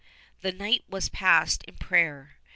The night was passed in prayer.